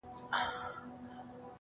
يو په يو يې لوڅېدله اندامونه؛